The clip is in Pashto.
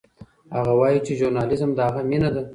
هغه وایي چې ژورنالیزم د هغه مینه ده.